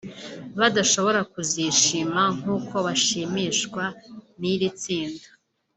badashobora kuzishima nk'uko bashimishwa n'iri tsinda